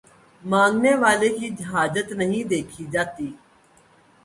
مانگنے والے کی حاجت نہیں دیکھی جاتی